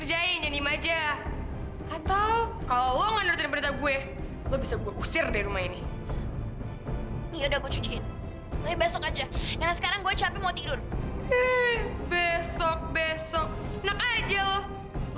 rasain kamu perempuan kampung